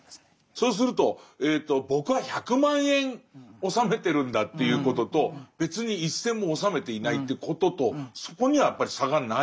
そうすると僕は１００万円納めてるんだということと別に一銭も納めていないということとそこにはやっぱり差がない？